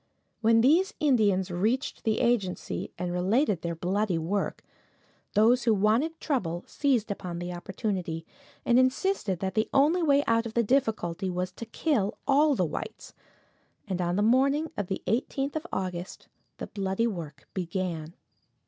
When these Indians reached the agency, and related their bloody work, those who wanted trouble seized upon the opportunity, and insisted that the only way out of the difficulty was to kill all the whites, and on the morning of the 18th of August the bloody work began.